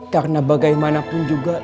karena bagaimanapun juga